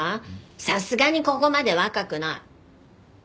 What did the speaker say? さすがにここまで若くない。